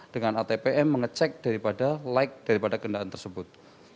dengan atpm mengecek daripada like daripada kendaraan tersebut